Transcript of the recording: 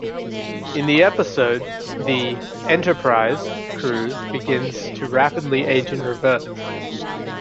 In the episode, the "Enterprise" crew begins to rapidly age in reverse.